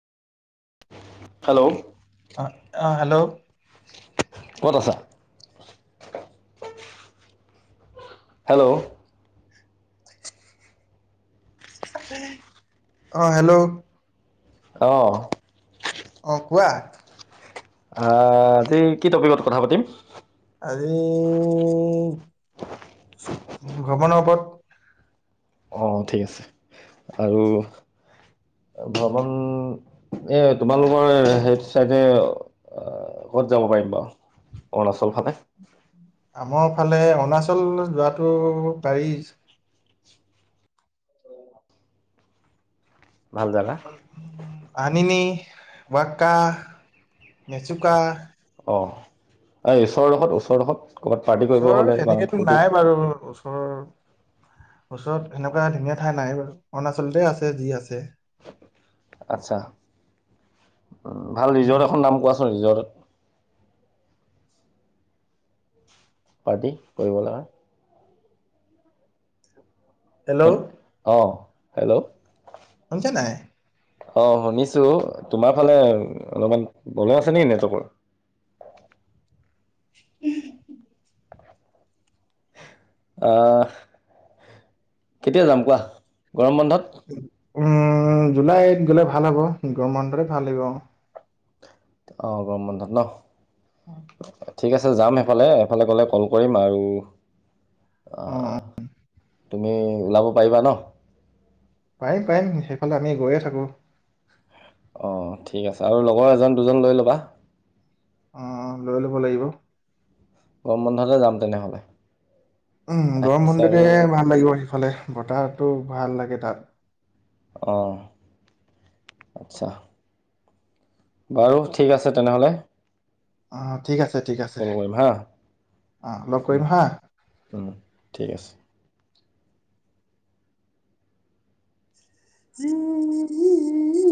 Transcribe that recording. Hello আহ আহ hello ক'ত আছা? হেল্ল' [inaudible] অ হেল্ল' অঁ অ কোৱা আহ আজি কি টপিকত কথা পাতিম আজি ভ্ৰমণৰ ওপৰত অঁ ঠিক আছে আৰু- ভ্ৰমণ এ তোমালোকৰ সেইটো চাইতে ক'ত যাব পাৰিম বাৰু অৰুণাচল ফালে আমাৰ ফালে অৰুণাচল যোৱাতটো পাৰি ভাল জেগা আননি, ৱাকা মেচোকা অঁ এই ওচৰডোখৰত ওচৰডোখৰত ক'ৰবাত পাৰ্টি কৰিব ওচৰ হ'লে বা এনেকেতো ফূৰ্তি নাই বাৰু ওচৰৰ ওচৰত এনেকুৱা ধুনীয়া ঠাই নাই বাৰু অৰুণাচলতে আছে যি আছে আচ্ছা উ ভাল ৰিজৰ্ট এখন নাম কোৱাচোন ৰিজৰ্টত- পাৰ্টি কৰিবলে হেল্ল' অঁ হেল্ল' শুনিছে নাই অ শুনিছো তোমাৰ ফালে অলপমান বল আছে নে নেটকৰ উ [inaudible] আহ কেতিয়া যাম কোৱা গৰম বন্ধত?? উম জুলাইত গলে ভাল হ'ব গৰম বন্ধতেভাল আহিব অ গম বন্ধত ন [unintelligible] ঠিক আছে যাম সেইফালে এফালে গ'লে কল কৰিম আৰু অ অ আহ, তুমি ওলাব পাৰিবা ন পাৰিম পাৰিম সেইফালে আমি গৈয়ে থাকো অঁ ঠিক আছে আৰু লগৰ এজন দুজন লৈ ল'বা অ লৈ ল'ব লাগিব গৰম বন্ধতে যাম তেনেহলে উম আহি গৰম আছে বন্ধতে আৰু ভাল লাগিব সিফালে বতাহটো ভাল লাগে তাত। অঁহ, আচ্ছা। বাৰু ঠিক আছে তেনেহ'লে। অ ঠিক আছে ঠিক আছে। কল কৰিম হা আহ লগ উম, কৰিম হাঁ। উম, ঠিক আছে উম [unintelligible]